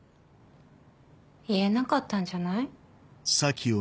言えなかったんじゃない？